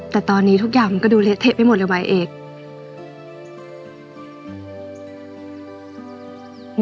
แต่ตอนนี้ทุกอย่างมันก็ดูเละเทะไปหมดเลยวัยเอก